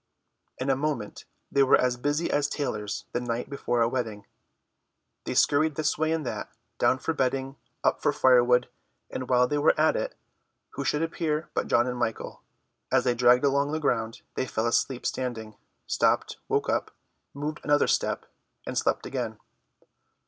In a moment they were as busy as tailors the night before a wedding. They skurried this way and that, down for bedding, up for firewood, and while they were at it, who should appear but John and Michael. As they dragged along the ground they fell asleep standing, stopped, woke up, moved another step and slept again.